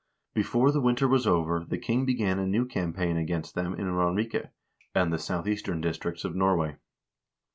Before the winter was over, the king began a new campaign against them in Ranrike and the southeastern districts of Norway.